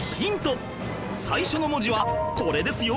最初の文字はこれですよ